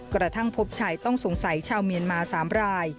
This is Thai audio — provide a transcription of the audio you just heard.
กระทั่งพบชายต้องสงสัยชาวเมียนมา๓ราย